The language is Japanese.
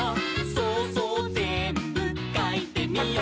「そうそうぜんぶかいてみよう」